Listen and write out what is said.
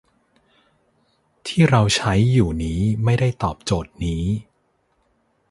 ที่เราใช้อยู่นี้ไม่ได้ตอบโจทย์นี้